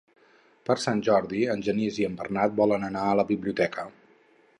Per Sant Jordi en Genís i en Bernat volen anar a la biblioteca.